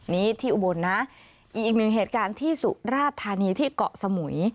นี่ที่อุบลนะอีกหนึ่งเหตุการณ์ที่สุราธานีที่เกาะสมุย